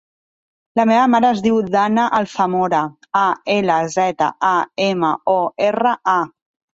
La meva mare es diu Danna Alzamora: a, ela, zeta, a, ema, o, erra, a.